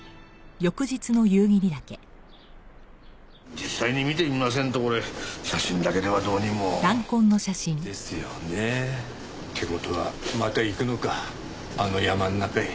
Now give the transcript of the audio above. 実際に見てみませんとこれ写真だけではどうにも。ですよねえ。って事はまた行くのかあの山ん中へ。